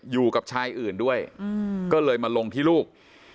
อยู่กับชายอื่นด้วยก็เลยมาลงที่ลูก